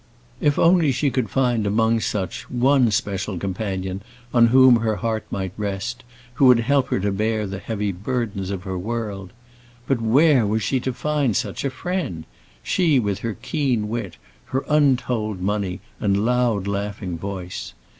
If only she could find among such one special companion on whom her heart might rest, who would help her to bear the heavy burdens of her world! But where was she to find such a friend? she with her keen wit, her untold money, and loud laughing voice.